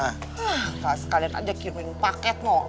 hah ga sekalian aja kirim paket